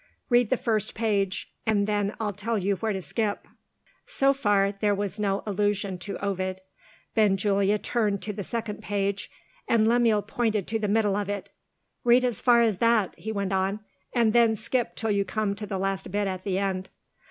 Read the first page and then I'll tell you where to skip." So far, there was no allusion to Ovid. Benjulia turned to the second page and Lemuel pointed to the middle of it. "Read as far as that," he went on, "and then skip till you come to the last bit at the end."